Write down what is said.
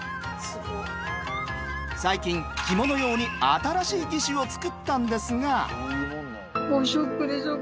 最近着物用に新しい義手を作ったんですが。